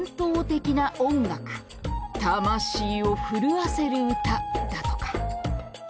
魂を震わせる歌だとか。